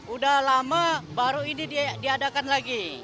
udah lama baru ini diadakan lagi